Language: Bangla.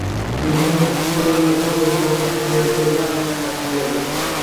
তিনি ছিলেন ক্ষুদে বুর্জোয়ার তত্ত্বপ্রবক্তা ও নৈরাজ্যবাদের আদি তাত্ত্বিকদের একজন।